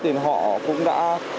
thì họ cũng đã